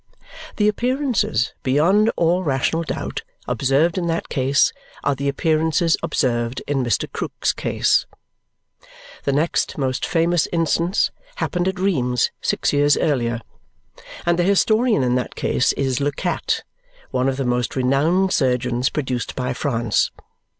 The appearances, beyond all rational doubt, observed in that case are the appearances observed in Mr. Krook's case. The next most famous instance happened at Rheims six years earlier, and the historian in that case is Le Cat, one of the most renowned surgeons produced by France.